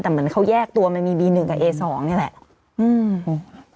แต่เหมือนเขาแยกตัวมันมีบีหนึ่งกับเอสองนี่แหละอืม